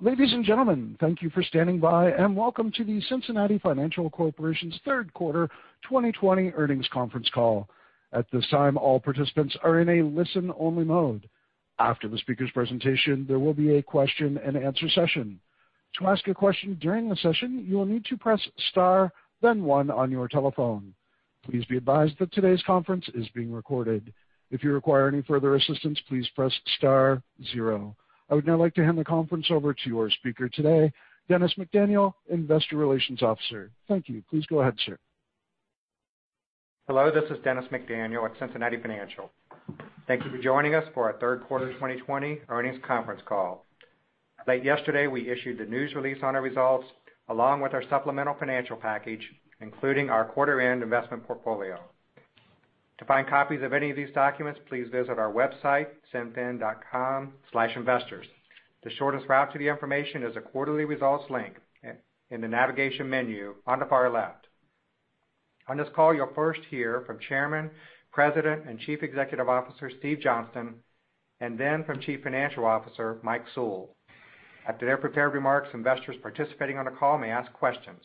Ladies and gentlemen, thank you for standing by, welcome to the Cincinnati Financial Corporation's third quarter 2020 earnings conference call. At this time, all participants are in a listen-only mode. After the speaker's presentation, there will be a question and answer session. To ask a question during the session, you will need to press star, then one on your telephone. Please be advised that today's conference is being recorded. If you require any further assistance, please press star zero. I would now like to hand the conference over to our speaker today, Dennis McDaniel, Investor Relations Officer. Thank you. Please go ahead, sir. Hello, this is Dennis McDaniel with Cincinnati Financial. Thank you for joining us for our third quarter 2020 earnings conference call. Late yesterday, we issued a news release on our results, along with our supplemental financial package, including our quarter end investment portfolio. To find copies of any of these documents, please visit our website, cinfin.com/investors. The shortest route to the information is the quarterly results link in the navigation menu on the far left. On this call, you'll first hear from Chairman, President, and Chief Executive Officer, Steve Johnston, then from Chief Financial Officer, Mike Sewell. After their prepared remarks, investors participating on the call may ask questions.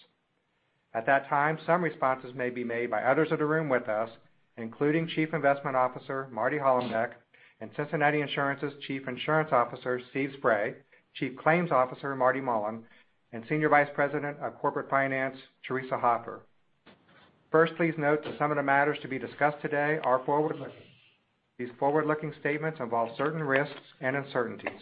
At that time, some responses may be made by others in the room with us, including Chief Investment Officer Marty Hollenbeck, Cincinnati Insurance's Chief Insurance Officer, Steve Spray, Chief Claims Officer Marty Mullen, and Senior Vice President of Corporate Finance, Theresa Hoffer. First, please note that some of the matters to be discussed today are forward-looking. These forward-looking statements involve certain risks and uncertainties.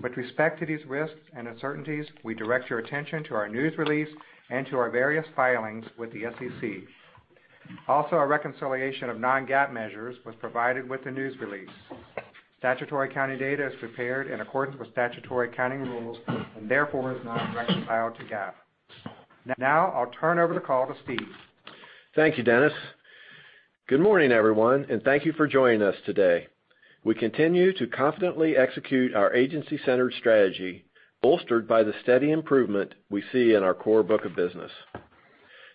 With respect to these risks and uncertainties, we direct your attention to our news release and to our various filings with the SEC. A reconciliation of non-GAAP measures was provided with the news release. Statutory county data is prepared in accordance with statutory accounting rules and therefore is not directly filed to GAAP. I'll turn over the call to Steve. Thank you, Dennis. Good morning, everyone, thank you for joining us today. We continue to confidently execute our agency-centered strategy, bolstered by the steady improvement we see in our core book of business.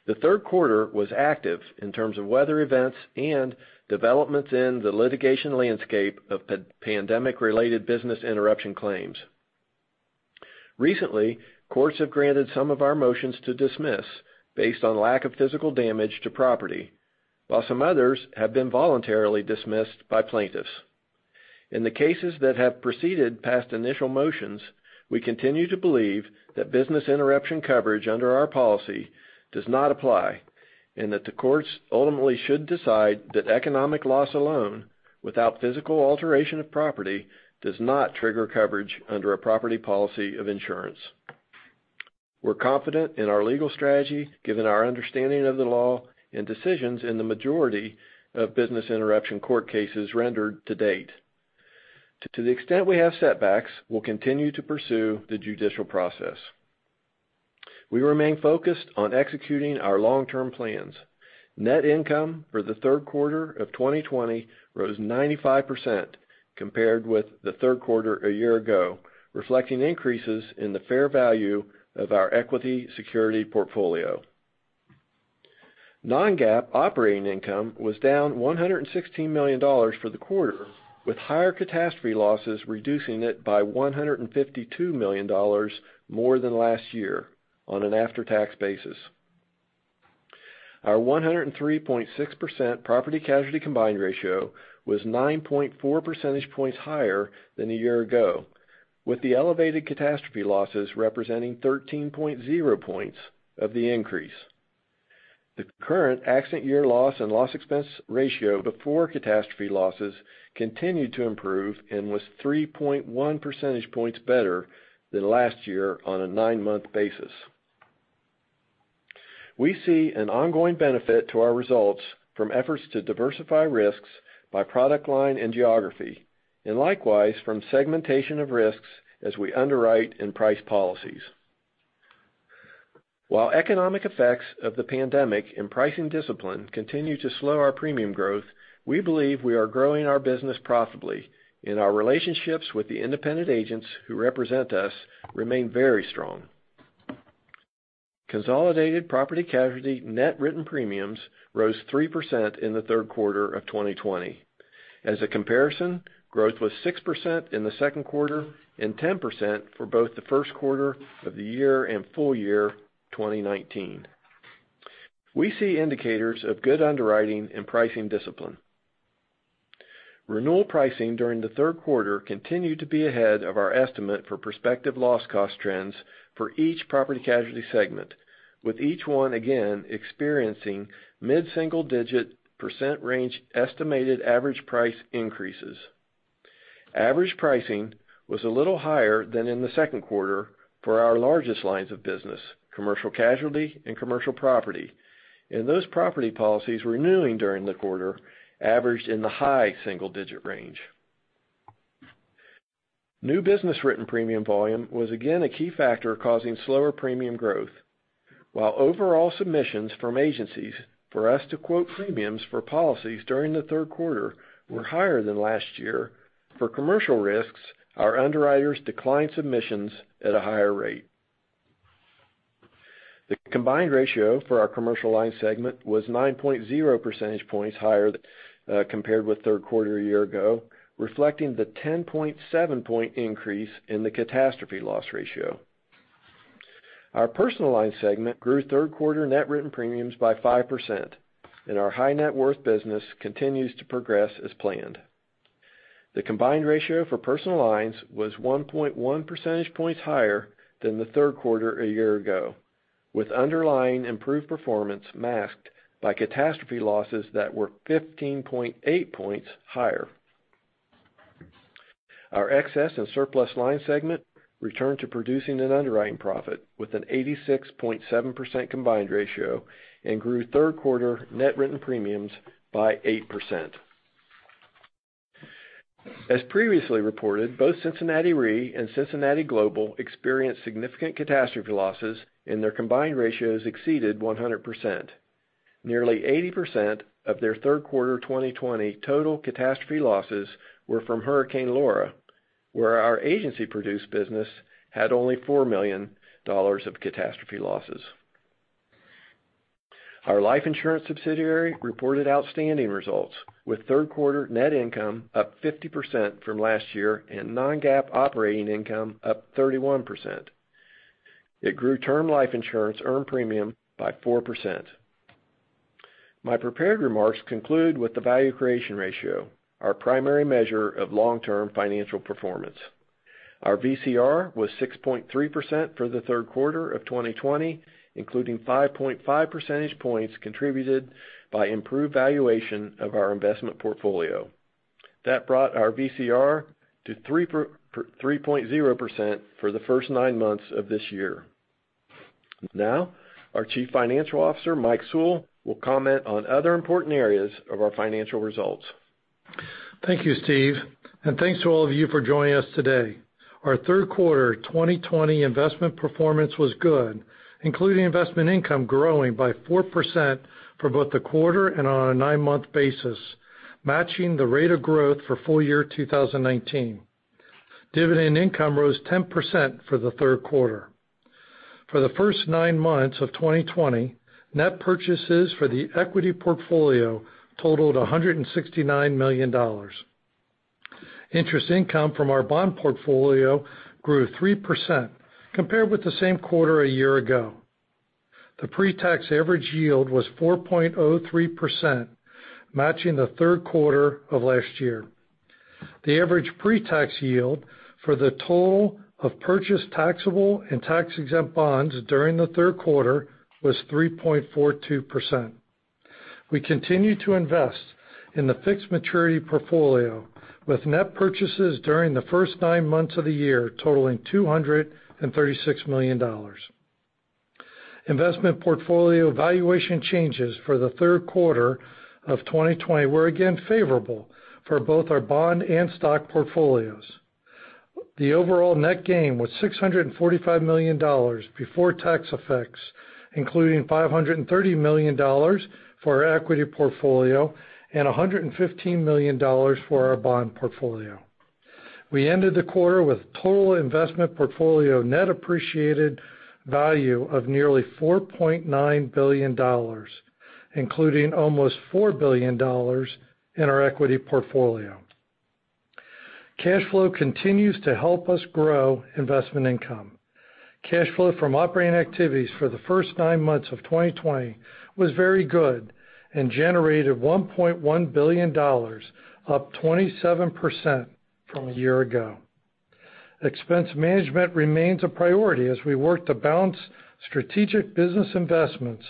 The third quarter was active in terms of weather events and developments in the litigation landscape of pandemic-related business interruption claims. Recently, courts have granted some of our motions to dismiss based on lack of physical damage to property, while some others have been voluntarily dismissed by plaintiffs. In the cases that have proceeded past initial motions, we continue to believe that business interruption coverage under our policy does not apply, that the courts ultimately should decide that economic loss alone, without physical alteration of property, does not trigger coverage under a property policy of insurance. We're confident in our legal strategy, given our understanding of the law and decisions in the majority of business interruption court cases rendered to date. To the extent we have setbacks, we'll continue to pursue the judicial process. We remain focused on executing our long-term plans. Net income for the third quarter of 2020 rose 95% compared with the third quarter a year ago, reflecting increases in the fair value of our equity security portfolio. Non-GAAP operating income was down $116 million for the quarter, with higher catastrophe losses reducing it by $152 million more than last year on an after-tax basis. Our 103.6% property-casualty combined ratio was 9.4 percentage points higher than a year ago, with the elevated catastrophe losses representing 13.0 points of the increase. The current accident year loss and loss expense ratio before catastrophe losses continued to improve and was 3.1 percentage points better than last year on a nine-month basis. We see an ongoing benefit to our results from efforts to diversify risks by product line and geography, and likewise from segmentation of risks as we underwrite and price policies. While economic effects of the pandemic and pricing discipline continue to slow our premium growth, we believe we are growing our business profitably, and our relationships with the independent agents who represent us remain very strong. Consolidated property-casualty net written premiums rose 3% in the third quarter of 2020. As a comparison, growth was 6% in the second quarter and 10% for both the first quarter of the year and full year 2019. We see indicators of good underwriting and pricing discipline. Renewal pricing during the third quarter continued to be ahead of our estimate for prospective loss cost trends for each property-casualty segment, with each one again experiencing mid-single-digit percent range estimated average price increases. Average pricing was a little higher than in the second quarter for our largest lines of business, commercial casualty and commercial property. Those property policies renewing during the quarter averaged in the high single-digit range. New business written premium volume was again a key factor causing slower premium growth. While overall submissions from agencies for us to quote premiums for policies during the third quarter were higher than last year, for commercial risks, our underwriters declined submissions at a higher rate. The combined ratio for our commercial line segment was 9.0 percentage points higher compared with third quarter a year ago, reflecting the 10.7 point increase in the catastrophe loss ratio. Our personal line segment grew third quarter net written premiums by 5%, and our high net worth business continues to progress as planned. The combined ratio for personal lines was 1.1 percentage points higher than the third quarter a year ago, with underlying improved performance masked by catastrophe losses that were 15.8 points higher. Our excess and surplus line segment returned to producing an underwriting profit with an 86.7% combined ratio and grew third quarter net written premiums by 8%. As previously reported, both Cincinnati Re and Cincinnati Global experienced significant catastrophe losses, and their combined ratios exceeded 100%. Nearly 80% of their third quarter 2020 total catastrophe losses were from Hurricane Laura, where our agency-produced business had only $4 million of catastrophe losses. Our life insurance subsidiary reported outstanding results, with third quarter net income up 50% from last year and non-GAAP operating income up 31%. It grew term life insurance earned premium by 4%. My prepared remarks conclude with the value creation ratio, our primary measure of long-term financial performance. Our VCR was 6.3% for the third quarter of 2020, including 5.5 percentage points contributed by improved valuation of our investment portfolio. That brought our VCR to 3.0% for the first nine months of this year. Our Chief Financial Officer, Mike Sewell, will comment on other important areas of our financial results. Thank you, Steve, thanks to all of you for joining us today. Our third quarter 2020 investment performance was good, including investment income growing by 4% for both the quarter and on a nine-month basis, matching the rate of growth for full year 2019. Dividend income rose 10% for the third quarter. For the first nine months of 2020, net purchases for the equity portfolio totaled $169 million. Interest income from our bond portfolio grew 3% compared with the same quarter a year ago. The pretax average yield was 4.03%, matching the third quarter of last year. The average pretax yield for the total of purchased taxable and tax-exempt bonds during the third quarter was 3.42%. We continue to invest in the fixed maturity portfolio, with net purchases during the first nine months of the year totaling $236 million. Investment portfolio valuation changes for the third quarter of 2020 were again favorable for both our bond and stock portfolios. The overall net gain was $645 million before tax effects, including $530 million for our equity portfolio and $115 million for our bond portfolio. We ended the quarter with total investment portfolio net appreciated value of nearly $4.9 billion, including almost $4 billion in our equity portfolio. Cash flow continues to help us grow investment income. Cash flow from operating activities for the first nine months of 2020 was very good and generated $1.1 billion, up 27% from a year ago. Expense management remains a priority as we work to balance strategic business investments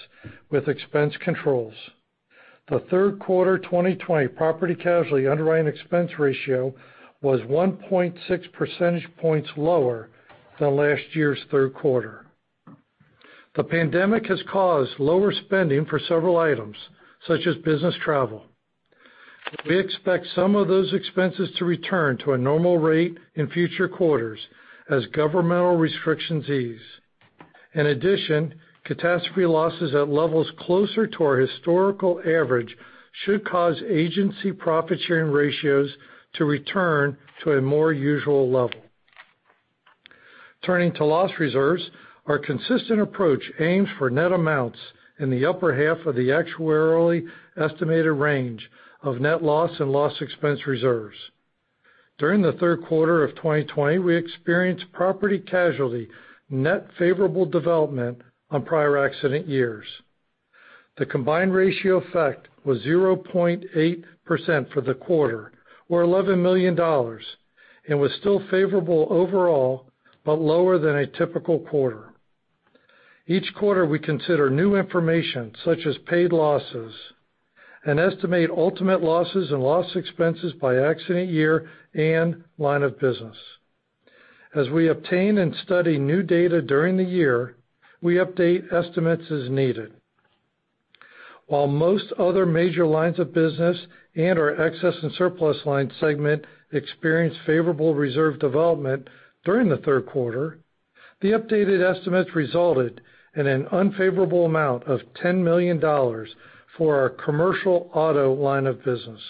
with expense controls. The third quarter 2020 property casualty underwriting expense ratio was 1.6 percentage points lower than last year's third quarter. The pandemic has caused lower spending for several items, such as business travel. We expect some of those expenses to return to a normal rate in future quarters as governmental restrictions ease. In addition, catastrophe losses at levels closer to our historical average should cause agency profit-sharing ratios to return to a more usual level. Turning to loss reserves, our consistent approach aims for net amounts in the upper half of the actuarially estimated range of net loss and loss expense reserves. During the third quarter of 2020, we experienced property casualty net favorable development on prior accident years. The combined ratio effect was 0.8% for the quarter, or $11 million, and was still favorable overall, but lower than a typical quarter. Each quarter, we consider new information, such as paid losses, estimate ultimate losses and loss expenses by accident year and line of business. As we obtain and study new data during the year, we update estimates as needed. While most other major lines of business and our excess and surplus line segment experienced favorable reserve development during the third quarter, the updated estimates resulted in an unfavorable amount of $10 million for our commercial auto line of business.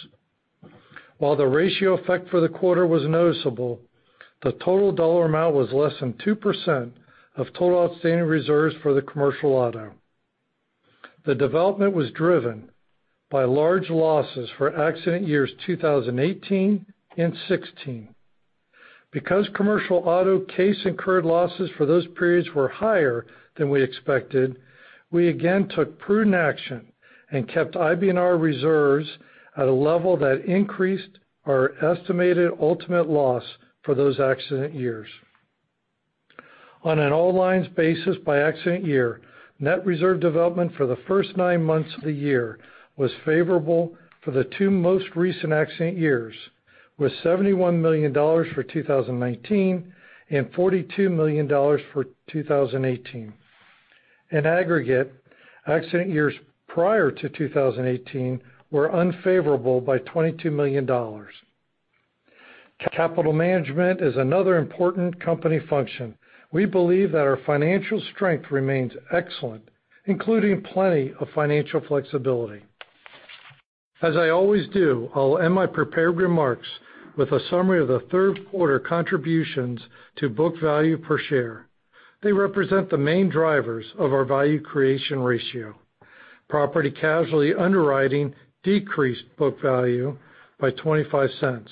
While the ratio effect for the quarter was noticeable, the total dollar amount was less than 2% of total outstanding reserves for the commercial auto. The development was driven by large losses for accident years 2018 and 2016. Because commercial auto case incurred losses for those periods were higher than we expected, we again took prudent action and kept IBNR reserves at a level that increased our estimated ultimate loss for those accident years. On an all lines basis by accident year, net reserve development for the first nine months of the year was favorable for the two most recent accident years, with $71 million for 2019 and $42 million for 2018. In aggregate, accident years prior to 2018 were unfavorable by $22 million. Capital management is another important company function. We believe that our financial strength remains excellent, including plenty of financial flexibility. As I always do, I will end my prepared remarks with a summary of the third quarter contributions to book value per share. They represent the main drivers of our value creation ratio. Property casualty underwriting decreased book value by $0.25.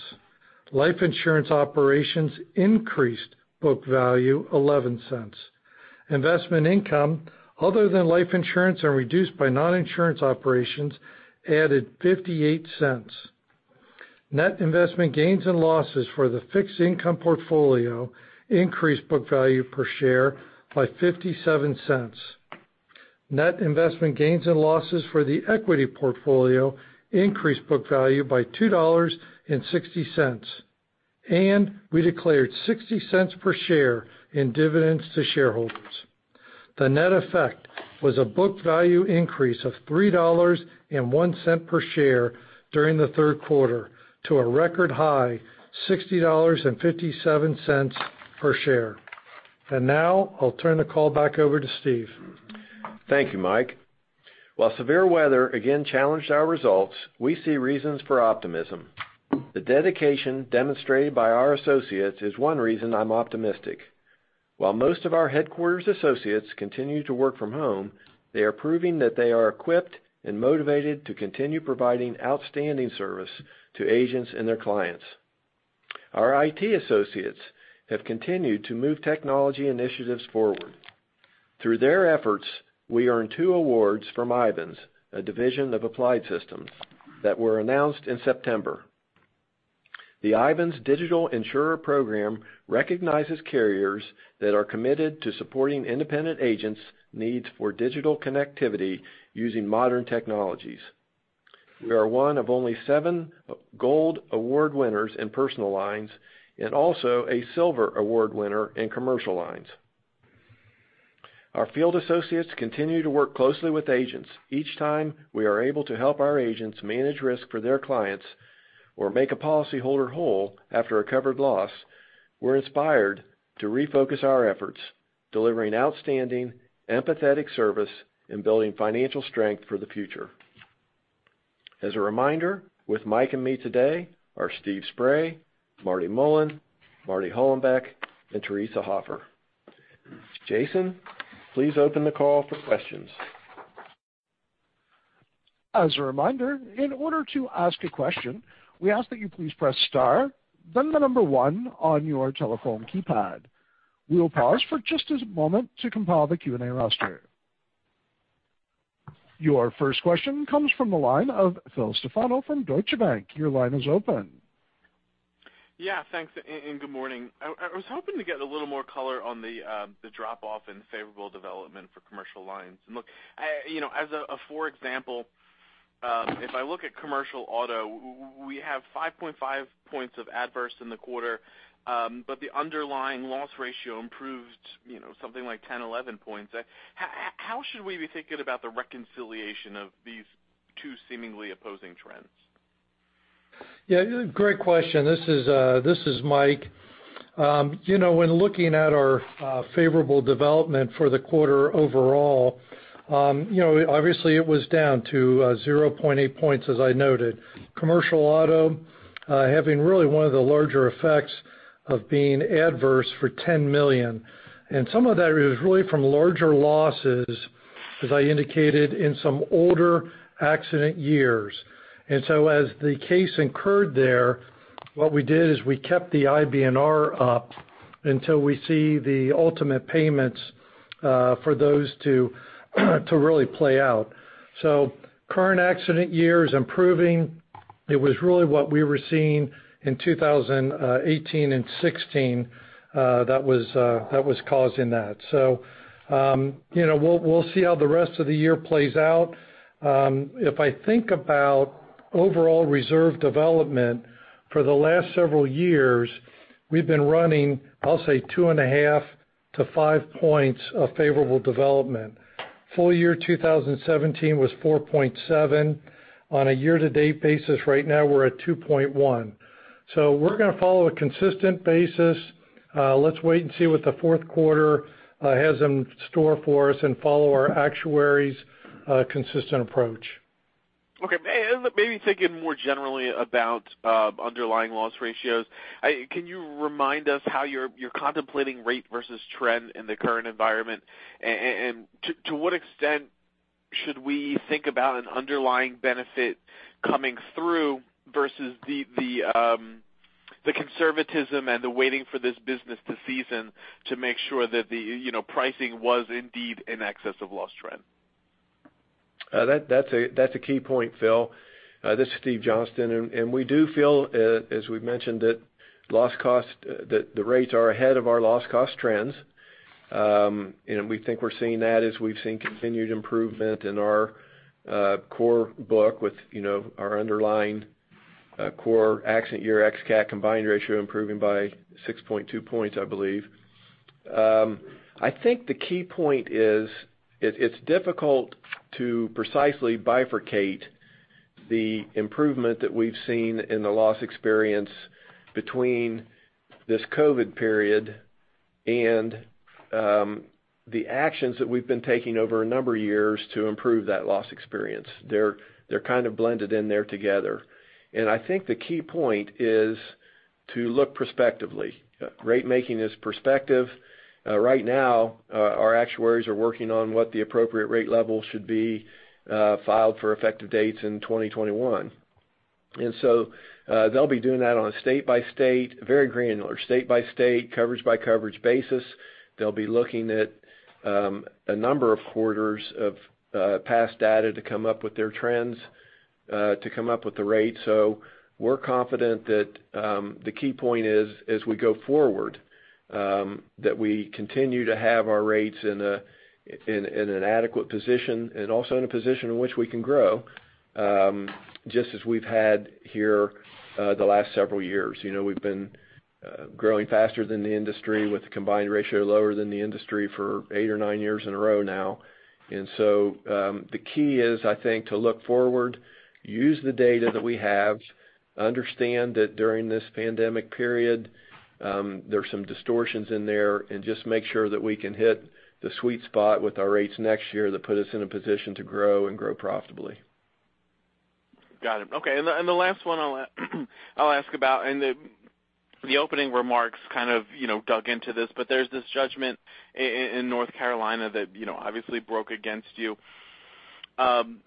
Life insurance operations increased book value $0.11. Investment income other than life insurance and reduced by non-insurance operations added $0.58. Net investment gains and losses for the fixed income portfolio increased book value per share by $0.57. Net investment gains and losses for the equity portfolio increased book value by $2.60. We declared $0.60 per share in dividends to shareholders. The net effect was a book value increase of $3.01 per share during the third quarter to a record high $60.57 per share. Now I will turn the call back over to Steve. Thank you, Mike. While severe weather again challenged our results, we see reasons for optimism. The dedication demonstrated by our associates is one reason I am optimistic. While most of our headquarters associates continue to work from home, they are proving that they are equipped and motivated to continue providing outstanding service to agents and their clients. Our IT associates have continued to move technology initiatives forward. Through their efforts, we earned two awards from IVANS, a division of Applied Systems, that were announced in September. The IVANS Digital Insurer program recognizes carriers that are committed to supporting independent agents' needs for digital connectivity using modern technologies. We are one of only seven gold award winners in personal lines and also a silver award winner in commercial lines. Our field associates continue to work closely with agents. Each time we are able to help our agents manage risk for their clients or make a policyholder whole after a covered loss, we're inspired to refocus our efforts, delivering outstanding, empathetic service and building financial strength for the future. As a reminder, with Mike and me today are Steve Spray, Marty Mullen, Marty Hollenbeck, and Theresa Hoffer. Jason, please open the call for questions. As a reminder, in order to ask a question, we ask that you please press star, then the number 1 on your telephone keypad. We will pause for just a moment to compile the Q&A roster. Your first question comes from the line of Phil Stefano from Deutsche Bank. Your line is open. Yeah. Thanks. Good morning. I was hoping to get a little more color on the drop-off in favorable development for commercial lines. Look, as a for example, if I look at commercial auto, we have 5.5 points of adverse in the quarter. The underlying loss ratio improved something like 10, 11 points. How should we be thinking about the reconciliation of these two seemingly opposing trends? Yeah, great question. This is Mike. When looking at our favorable development for the quarter overall, obviously it was down to 0.8 points, as I noted. Commercial auto, having really one of the larger effects of being adverse for $10 million. Some of that is really from larger losses, as I indicated, in some older accident years. As the case incurred there, what we did is we kept the IBNR up until we see the ultimate payments for those 2 to really play out. Current accident year is improving. It was really what we were seeing in 2018 and 2016 that was causing that. We'll see how the rest of the year plays out. If I think about overall reserve development for the last several years, we've been running, I'll say, 2.5 to 5 points of favorable development. Full year 2017 was 4.7. On a year-to-date basis right now, we're at 2.1. We're going to follow a consistent basis. Let's wait and see what the fourth quarter has in store for us and follow our actuaries' consistent approach. Okay. Maybe thinking more generally about underlying loss ratios, can you remind us how you're contemplating rate versus trend in the current environment? To what extent should we think about an underlying benefit coming through versus the conservatism and the waiting for this business to season to make sure that the pricing was indeed in excess of loss trend? That's a key point, Phil. This is Steve Johnston. We do feel, as we've mentioned, that the rates are ahead of our loss cost trends. We think we're seeing that as we've seen continued improvement in our core book with our underlying core accident year x CAT combined ratio improving by 6.2 points, I believe. I think the key point is, it's difficult to precisely bifurcate the improvement that we've seen in the loss experience between this COVID period and the actions that we've been taking over a number of years to improve that loss experience. They're kind of blended in there together. I think the key point is to look prospectively. Rate making is prospective. Right now, our actuaries are working on what the appropriate rate level should be filed for effective dates in 2021. They'll be doing that on a state by state, very granular, state by state, coverage by coverage basis. They'll be looking at a number of quarters of past data to come up with their trends, to come up with the rate. We're confident that the key point is, as we go forward, that we continue to have our rates in an adequate position and also in a position in which we can grow, just as we've had here the last several years. We've been growing faster than the industry with the combined ratio lower than the industry for eight or nine years in a row now. The key is, I think, to look forward, use the data that we have, understand that during this pandemic period, there's some distortions in there, and just make sure that we can hit the sweet spot with our rates next year that put us in a position to grow and grow profitably. Got it. Okay. The last one I'll ask about, and the opening remarks kind of dug into this, but there's this judgment in North Carolina that obviously broke against you.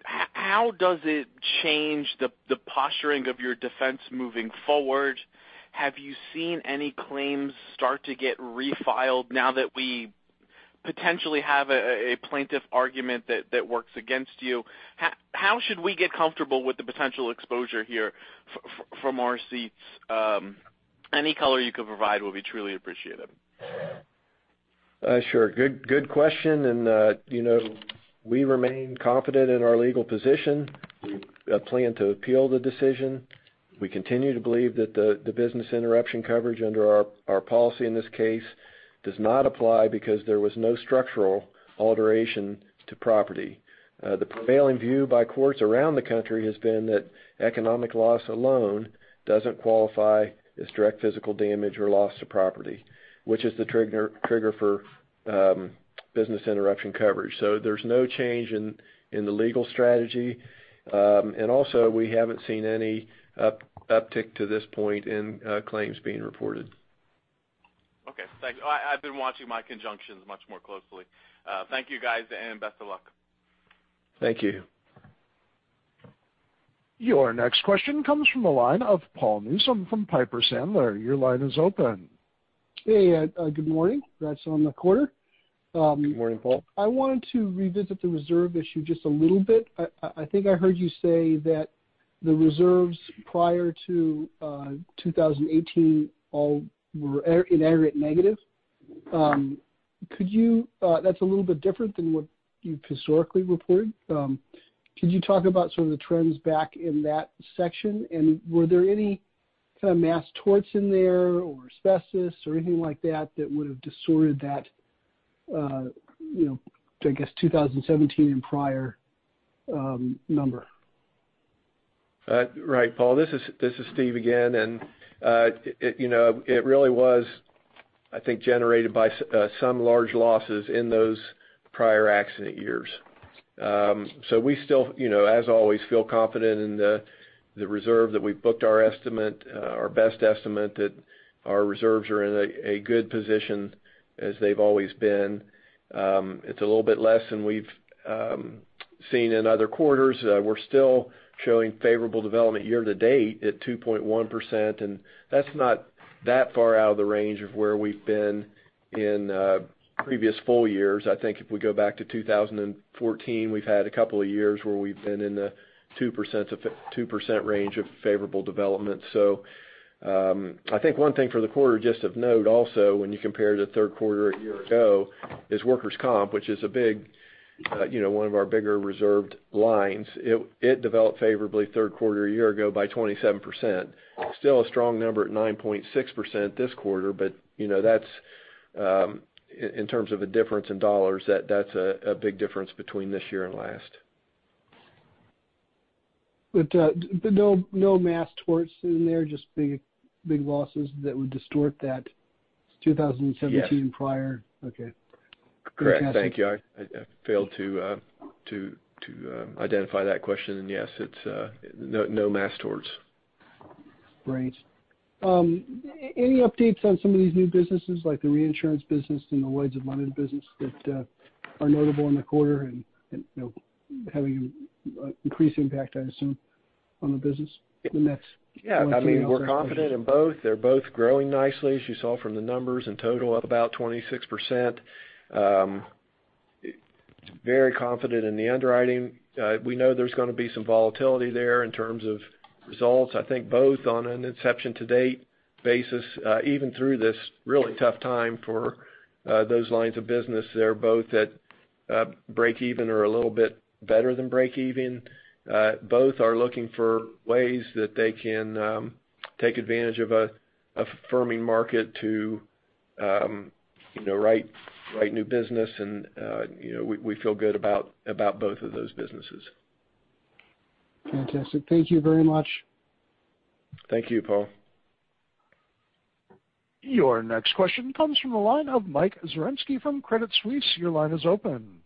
How does it change the posturing of your defense moving forward? Have you seen any claims start to get refiled now that we potentially have a plaintiff argument that works against you? How should we get comfortable with the potential exposure here from our seats? Any color you could provide will be truly appreciated. Sure. Good question. We remain confident in our legal position. We plan to appeal the decision. We continue to believe that the business interruption coverage under our policy in this case does not apply because there was no structural alteration to property. The prevailing view by courts around the country has been that economic loss alone doesn't qualify as direct physical damage or loss to property, which is the trigger for business interruption coverage. There's no change in the legal strategy. Also we haven't seen any uptick to this point in claims being reported. Okay, thanks. I've been watching my conjunctions much more closely. Thank you guys, and best of luck. Thank you. Your next question comes from the line of Paul Newsome from Piper Sandler. Your line is open. Hey, good morning. Congrats on the quarter. Good morning, Paul. I wanted to revisit the reserve issue just a little bit. I think I heard you say that the reserves prior to 2018 all were in aggregate negative. That's a little bit different than what you've historically reported. Could you talk about some of the trends back in that section? Were there any kind of mass torts in there or asbestos or anything like that that would have distorted that, I guess 2017 and prior number? Right, Paul. This is Steve again. It really was, I think, generated by some large losses in those prior accident years. We still, as always, feel confident in the reserve that we've booked our estimate, our best estimate that our reserves are in a good position as they've always been. It's a little bit less than we've seen in other quarters. We're still showing favorable development year to date at 2.1%, and that's not that far out of the range of where we've been in previous full years. I think if we go back to 2014, we've had a couple of years where we've been in the 2% range of favorable development. I think one thing for the quarter just of note also when you compare to third quarter a year ago is workers' comp, which is one of our bigger reserved lines. It developed favorably third quarter a year ago by 27%. Still a strong number at 9.6% this quarter, but in terms of a difference in dollars, that's a big difference between this year and last. No mass torts in there, just big losses that would distort that 2017 prior? Yes. Okay. Fantastic. Correct. Thank you. I failed to identify that question. Yes, it's no mass torts. Great. Any updates on some of these new businesses, like the reinsurance business and the Lloyd's of London business that are notable in the quarter and having an increasing impact, I assume, on the business in the next one, two, year timeframe? Yeah. We're confident in both. They're both growing nicely, as you saw from the numbers, in total up about 26%. Very confident in the underwriting. We know there's going to be some volatility there in terms of results. I think both on an inception to date basis, even through this really tough time for those lines of business, they're both at breakeven or a little bit better than breakeven. Both are looking for ways that they can take advantage of a firming market to write new business and we feel good about both of those businesses. Fantastic. Thank you very much. Thank you, Paul. Your next question comes from the line of Michael Zaremski from Credit Suisse. Your line is open.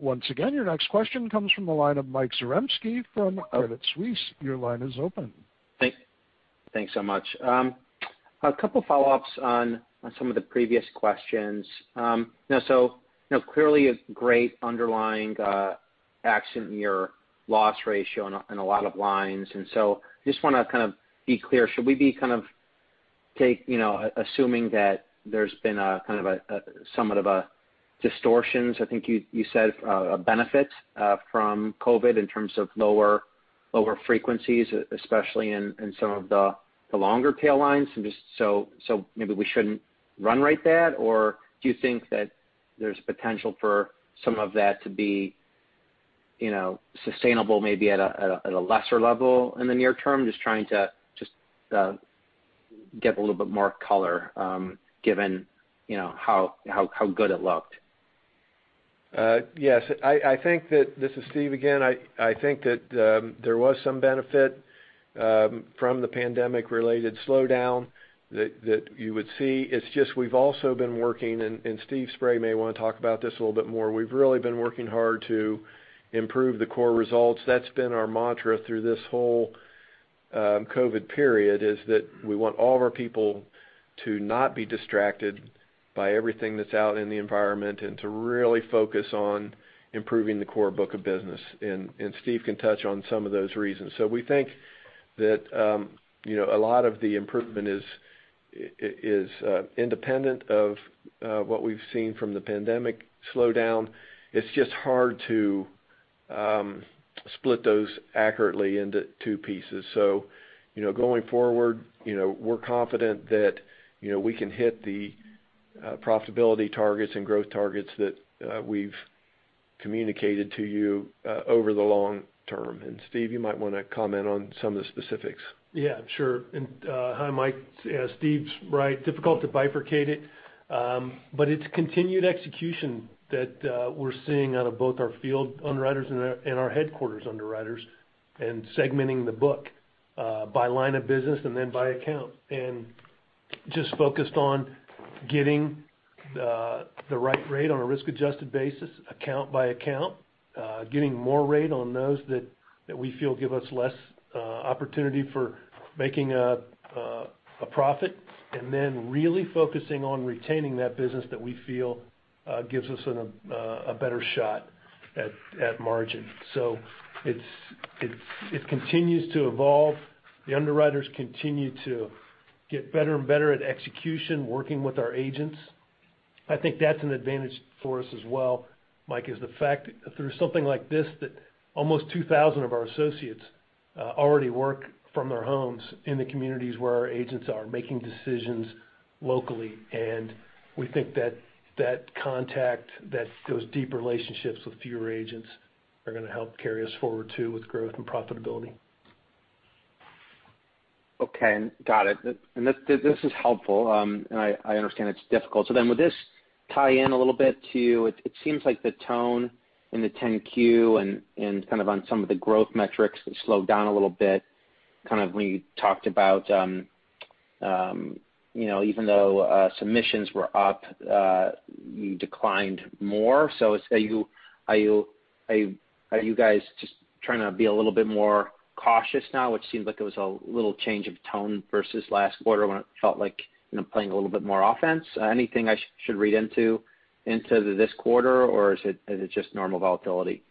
Once again, your next question comes from the line of Michael Zaremski from Credit Suisse. Your line is open. Thanks so much. A couple follow-ups on some of the previous questions. Clearly a great underlying action year loss ratio on a lot of lines, and so just want to kind of be clear. Should we be assuming that there's been a somewhat of a distortions, I think you said, a benefit from COVID in terms of lower frequencies, especially in some of the longer tail lines? Maybe we shouldn't run rate that? Do you think that there's potential for some of that to be sustainable, maybe at a lesser level in the near term? Just trying to just get a little bit more color, given how good it looked. Yes. This is Steve again. I think that there was some benefit from the pandemic related slowdown that you would see. It's just we've also been working. Steve Spray may want to talk about this a little bit more. We've really been working hard to improve the core results. That's been our mantra through this whole COVID period, is that we want all of our people to not be distracted by everything that's out in the environment and to really focus on improving the core book of business. Steve can touch on some of those reasons. We think that a lot of the improvement is independent of what we've seen from the pandemic slowdown. It's just hard to split those accurately into two pieces. Going forward, we're confident that we can hit the profitability targets and growth targets that we've communicated to you over the long term. Steve, you might want to comment on some of the specifics. Yeah, sure. Hi, Mike. Steve's right. Difficult to bifurcate it. It's continued execution that we're seeing out of both our field underwriters and our headquarters underwriters, segmenting the book by line of business and then by account. Just focused on getting the right rate on a risk adjusted basis, account by account. Getting more rate on those that we feel give us less opportunity for making a profit. Really focusing on retaining that business that we feel gives us a better shot at margin. It continues to evolve. The underwriters continue to get better and better at execution, working with our agents. I think that's an advantage for us as well, Mike, is the fact through something like this. Almost 2,000 of our associates already work from their homes in the communities where our agents are, making decisions locally. We think that that contact, those deep relationships with fewer agents are going to help carry us forward, too, with growth and profitability. Okay. Got it. This is helpful. I understand it's difficult. Would this tie in a little bit to, it seems like the tone in the 10-Q and kind of on some of the growth metrics have slowed down a little bit, kind of when you talked about even though submissions were up, you declined more. Are you guys just trying to be a little bit more cautious now? It seemed like it was a little change of tone versus last quarter when it felt like playing a little bit more offense. Anything I should read into this quarter, or is it just normal volatility?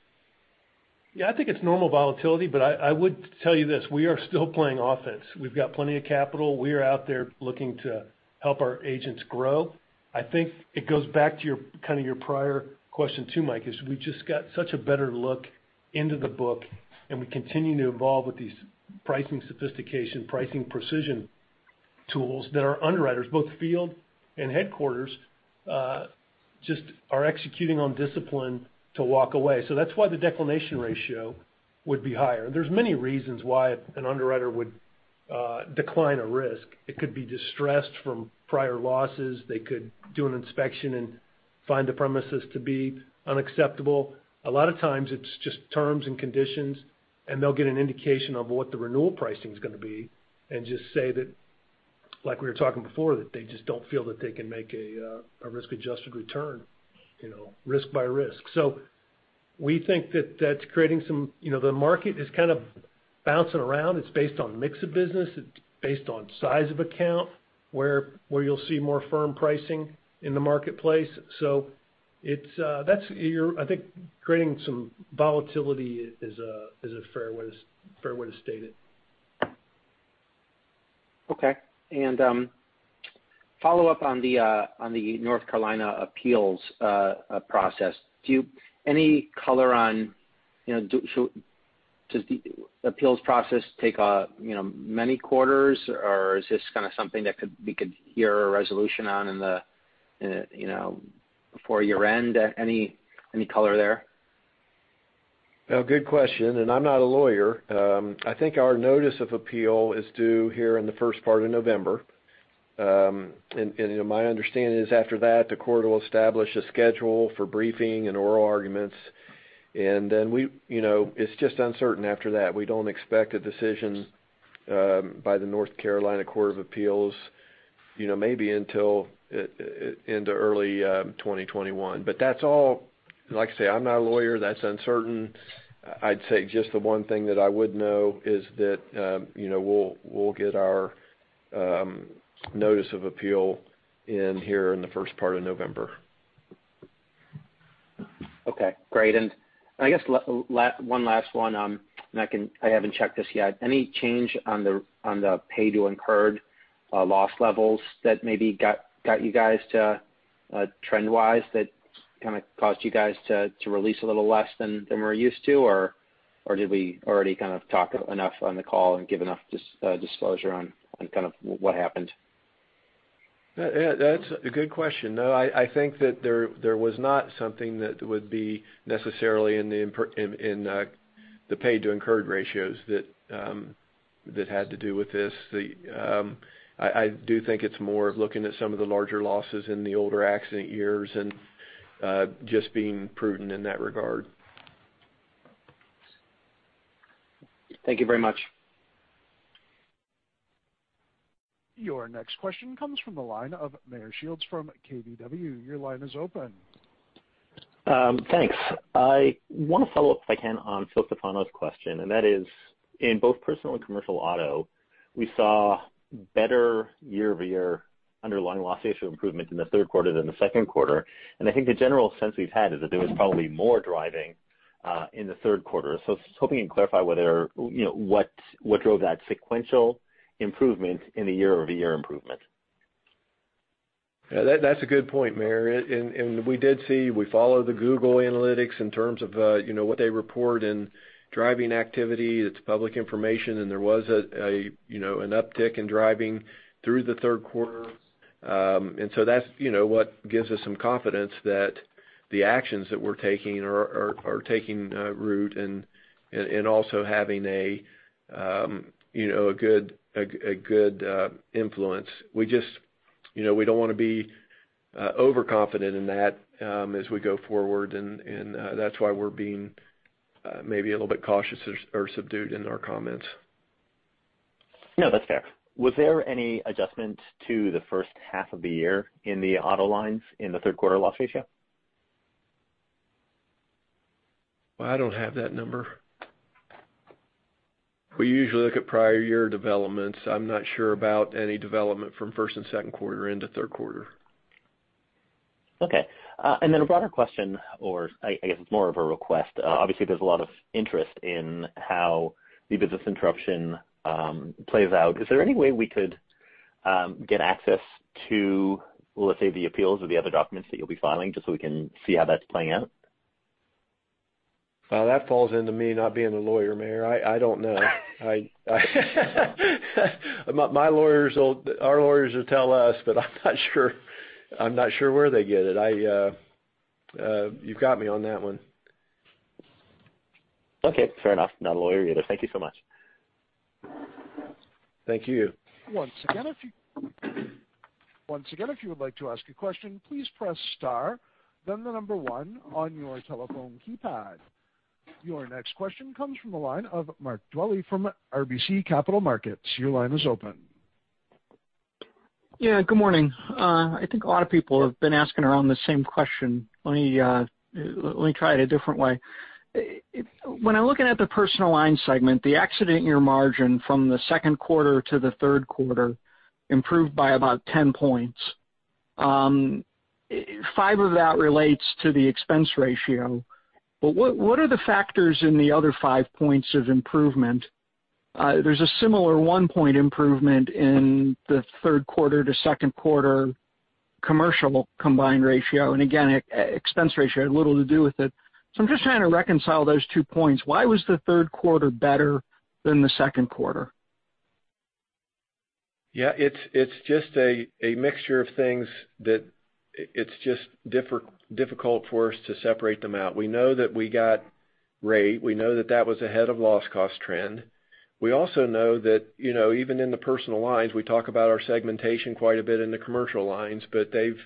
I think it's normal volatility, but I would tell you this. We are still playing offense. We've got plenty of capital. We are out there looking to help our agents grow. I think it goes back to your prior question, too, Mike, is we've just got such a better look into the book, and we continue to evolve with these pricing sophistication, pricing precision tools that our underwriters, both field and headquarters, just are executing on discipline to walk away. That's why the declination ratio would be higher. There's many reasons why an underwriter would. Decline a risk. It could be distressed from prior losses. They could do an inspection and find the premises to be unacceptable. A lot of times it's just terms and conditions and they'll get an indication of what the renewal pricing is going to be and just say that, like we were talking before, that they just don't feel that they can make a risk-adjusted return risk by risk. We think that that's creating some. The market is kind of bouncing around. It's based on mix of business. It's based on size of account, where you'll see more firm pricing in the marketplace. I think creating some volatility is a fair way to state it. Okay. Follow up on the North Carolina appeals process. Any color on, does the appeals process take many quarters or is this kind of something that we could hear a resolution on before year-end? Any color there? Good question. I'm not a lawyer. I think our notice of appeal is due here in the first part of November. My understanding is after that, the court will establish a schedule for briefing and oral arguments, then it's just uncertain after that. We don't expect a decision by the North Carolina Court of Appeals maybe until into early 2021. That's all, like I say, I'm not a lawyer. That's uncertain. I'd say just the one thing that I would know is that we'll get our notice of appeal in here in the first part of November. Okay, great. I guess one last one, and I haven't checked this yet. Any change on the paid to incurred loss levels that maybe got you guys to, trend-wise, that kind of caused you guys to release a little less than we're used to? Did we already kind of talk enough on the call and give enough disclosure on kind of what happened? That's a good question. No, I think that there was not something that would be necessarily in the paid to incurred ratios that had to do with this. I do think it's more of looking at some of the larger losses in the older accident years and just being prudent in that regard. Thank you very much. Your next question comes from the line of Meyer Shields from KBW. Your line is open. Thanks. I want to follow up, if I can, on Phil Stefano's question, that is in both personal and commercial auto, we saw better year-over-year underlying loss ratio improvement in the third quarter than the second quarter. I think the general sense we've had is that there was probably more driving in the third quarter. I was hoping you'd clarify what drove that sequential improvement in the year-over-year improvement. That's a good point, Meyer. We did see, we follow the Google Analytics in terms of what they report in driving activity. It's public information, there was an uptick in driving through the third quarter. That's what gives us some confidence that the actions that we're taking are taking root and also having a good influence. We don't want to be overconfident in that as we go forward, that's why we're being maybe a little bit cautious or subdued in our comments. No, that's fair. Was there any adjustment to the first half of the year in the auto lines in the third quarter loss ratio? I don't have that number. We usually look at prior year developments. I'm not sure about any development from first and second quarter into third quarter. Okay. Then a broader question, or I guess it's more of a request. Obviously, there's a lot of interest in how the business interruption plays out. Is there any way we could get access to, let's say, the appeals or the other documents that you'll be filing just so we can see how that's playing out? Well, that falls into me not being a lawyer, Meyer. I don't know. Our lawyers will tell us, but I'm not sure where they get it. You've got me on that one. Okay, fair enough. Not a lawyer either. Thank you so much. Thank you. Once again, if you would like to ask a question, please press star, then the number one on your telephone keypad. Your next question comes from the line of Mark Dwelle from RBC Capital Markets. Your line is open. Yeah, good morning. I think a lot of people have been asking around the same question. Let me try it a different way. When I'm looking at the personal line segment, the accident year margin from the second quarter to the third quarter improved by about 10 points. Five of that relates to the expense ratio, but what are the factors in the other five points of improvement? There's a similar one-point improvement in the third quarter to second quarter commercial combined ratio, and again, expense ratio had little to do with it. I'm just trying to reconcile those two points. Why was the third quarter better than the second quarter? Yeah. It's just a mixture of things that it's just difficult for us to separate them out. We know that we got rate. We know that that was ahead of loss cost trend. We also know that even in the personal lines, we talk about our segmentation quite a bit in the commercial lines, but they've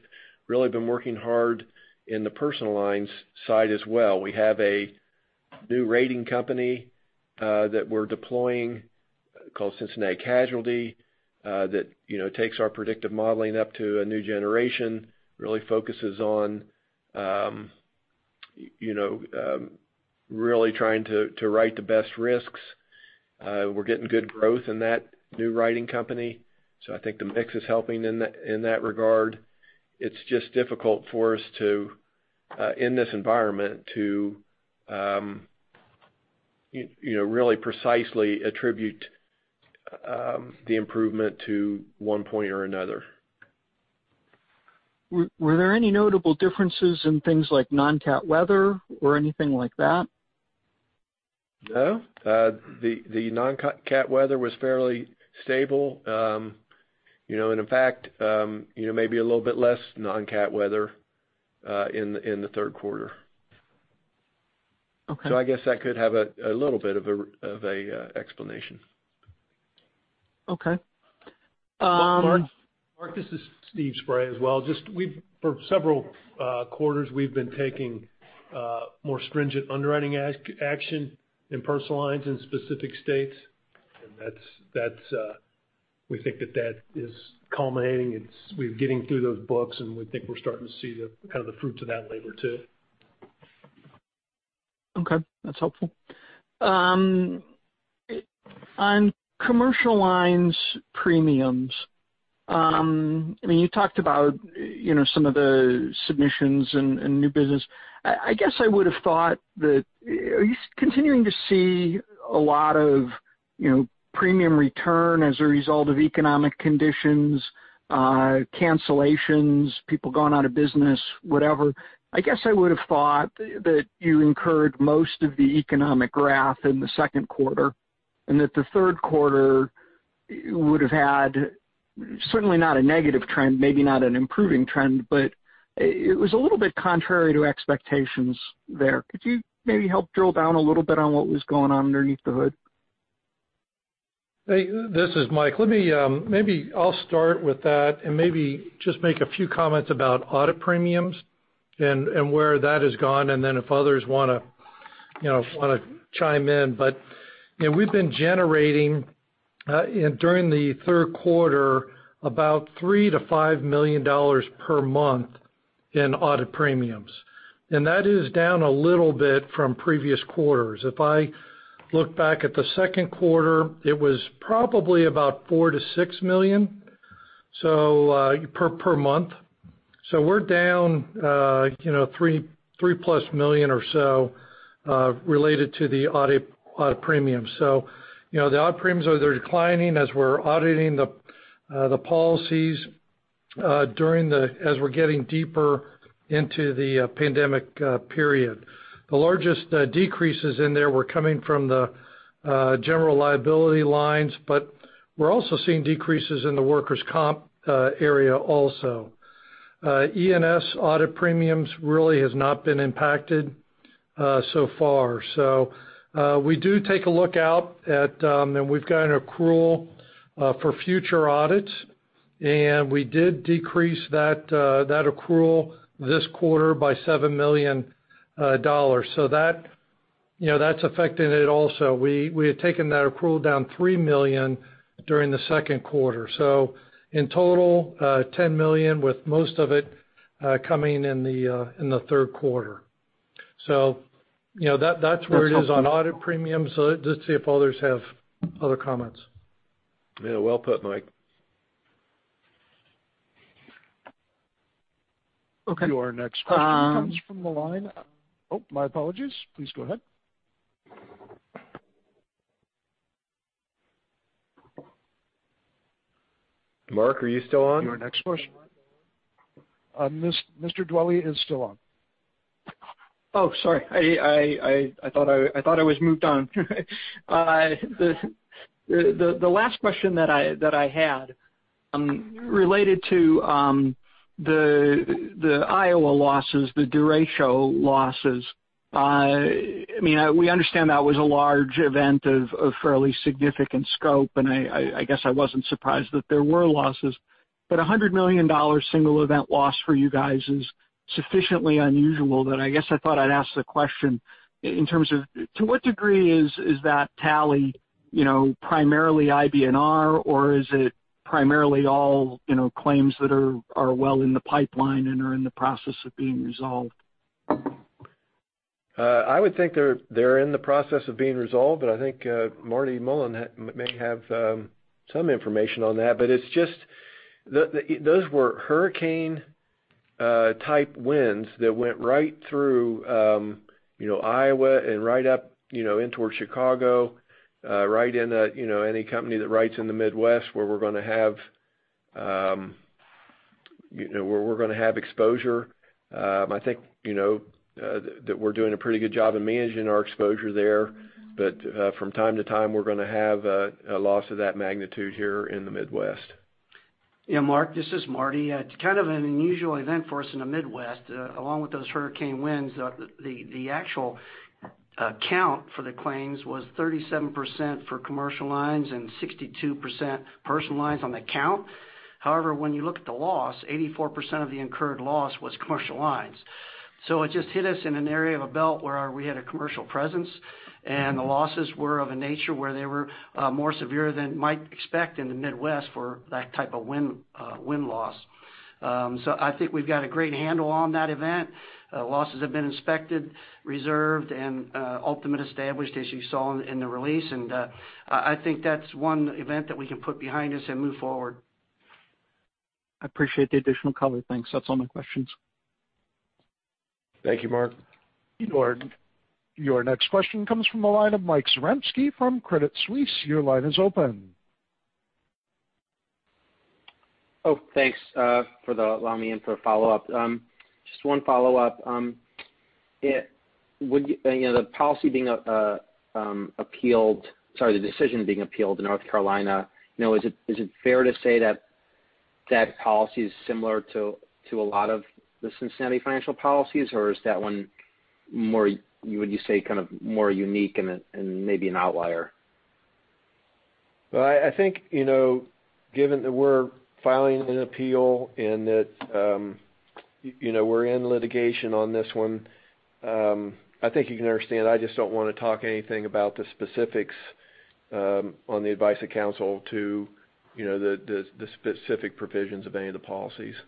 really been working hard in the personal lines side as well. We have a new writing company that we're deploying called Cincinnati Casualty, that takes our predictive modeling up to a new generation, really focuses on really trying to write the best risks. We're getting good growth in that new writing company, I think the mix is helping in that regard. It's just difficult for us, in this environment, to really precisely attribute the improvement to one point or another. Were there any notable differences in things like non-CAT weather or anything like that? No. The non-CAT weather was fairly stable. In fact, maybe a little bit less non-CAT weather in the third quarter. Okay. I guess that could have a little bit of a explanation. Okay. Mark, this is Steve Spray as well. For several quarters, we've been taking more stringent underwriting action in personal lines in specific states. We think that that is culminating. We're getting through those books, and we think we're starting to see kind of the fruits of that labor, too. Okay. That's helpful. On commercial lines premiums, you talked about some of the submissions and new business. Are you continuing to see a lot of premium return as a result of economic conditions, cancellations, people going out of business, whatever? I guess I would've thought that you incurred most of the economic drag in the second quarter, and that the third quarter would've had, certainly not a negative trend, maybe not an improving trend, but it was a little bit contrary to expectations there. Could you maybe help drill down a little bit on what was going on underneath the hood? Hey, this is Mike. Maybe I'll start with that and maybe just make a few comments about audit premiums and where that has gone, then if others want to chime in. We've been generating, during the third quarter, about $3 million-$5 million per month in audit premiums. That is down a little bit from previous quarters. If I look back at the second quarter, it was probably about $4 million-$6 million per month. We're down, three-plus million or so related to the audit premiums. The audit premiums are declining as we're auditing the policies as we're getting deeper into the pandemic period. The largest decreases in there were coming from the general liability lines, but we're also seeing decreases in the workers' comp area also. E&S audit premiums really has not been impacted so far. We do take a look out at, and we've got an accrual for future audits, and we did decrease that accrual this quarter by $7 million. That's affecting it also. We had taken that accrual down $3 million during the second quarter. In total, $10 million, with most of it coming in the third quarter. That's where it is on audit premiums. Let's see if others have other comments. Yeah. Well put, Mike. Okay. Your next question comes. My apologies. Please go ahead. Mark, are you still on? Your next question. Mr. Dwelle is still on. Sorry. I thought I was moved on. The last question that I had related to the Iowa losses, the derecho losses. We understand that was a large event of fairly significant scope, and I guess I wasn't surprised that there were losses, but $100 million single event loss for you guys is sufficiently unusual that I guess I thought I'd ask the question in terms of, to what degree is that tally primarily IBNR, or is it primarily all claims that are well in the pipeline and are in the process of being resolved? I would think they're in the process of being resolved. I think Marty Mullen may have some information on that. Those were hurricane-type winds that went right through Iowa and right up in towards Chicago, right in any company that writes in the Midwest, where we're going to have exposure. I think that we're doing a pretty good job of managing our exposure there. From time to time, we're going to have a loss of that magnitude here in the Midwest. Mark, this is Marty. It's kind of an unusual event for us in the Midwest. Along with those hurricane winds, the actual count for the claims was 37% for commercial lines and 62% personal lines on the count. However, when you look at the loss, 84% of the incurred loss was commercial lines. It just hit us in an area of a belt where we had a commercial presence, and the losses were of a nature where they were more severe than might expect in the Midwest for that type of wind loss. I think we've got a great handle on that event. Losses have been inspected, reserved, and ultimate established, as you saw in the release. I think that's one event that we can put behind us and move forward. I appreciate the additional color. Thanks. That's all my questions. Thank you, Mark. Sure. Your next question comes from the line of Michael Zaremski from Credit Suisse. Your line is open. Oh, thanks for allowing me in for a follow-up. Just one follow-up. The decision being appealed in North Carolina, is it fair to say that that policy is similar to a lot of the Cincinnati Financial policies, or is that one more, would you say, kind of more unique and maybe an outlier? Well, I think, given that we're filing an appeal and that we're in litigation on this one, I think you can understand, I just don't want to talk anything about the specifics on the advice of counsel to the specific provisions of any of the policies. Okay.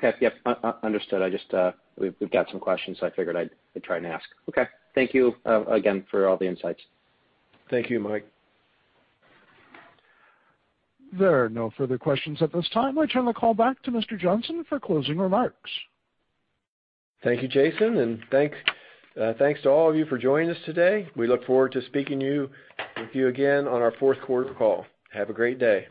Yep. Understood. We've got some questions, so I figured I'd try and ask. Okay. Thank you again for all the insights. Thank you, Mike. There are no further questions at this time. I turn the call back to Mr. Johnston for closing remarks. Thank you, Jason, and thanks to all of you for joining us today. We look forward to speaking with you again on our fourth quarter call. Have a great day.